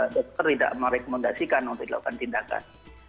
dokter tidak merekomendasikan untuk dilakukan tindakan